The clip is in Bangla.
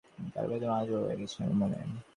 তার বেদনা আজও রয়ে গেছে আমার মনে।